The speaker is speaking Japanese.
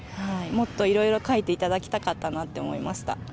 もっといろいろ描いていただきたかったなと思いました。